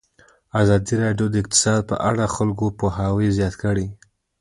ازادي راډیو د اقتصاد په اړه د خلکو پوهاوی زیات کړی.